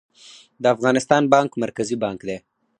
د افغانستان بانک مرکزي بانک دی